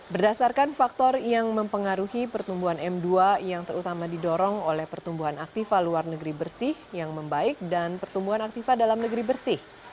berdasarkan faktor yang mempengaruhi pertumbuhan m dua yang terutama didorong oleh pertumbuhan aktifa luar negeri bersih yang membaik dan pertumbuhan aktifa dalam negeri bersih